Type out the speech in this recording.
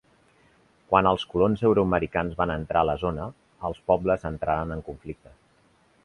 Quan els colons euroamericans van entrar a la zona, els pobles entraren en conflicte.